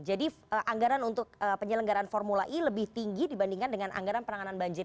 jadi anggaran untuk penyelenggaran formula e lebih tinggi dibandingkan dengan anggaran penanganan banjir